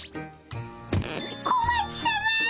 小町さま！